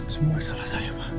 semua salah saya pak